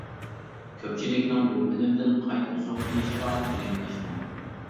كۆپچىلىكنىڭ بۇ فىلىمدىن قايتا زوق ئېلىشىغا تىلەكداشمەن.